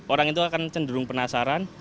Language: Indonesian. orang itu akan cenderung penasaran